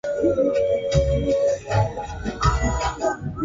Wanyama wachache hadi asilimia sabini huathiriwa katika kundi zima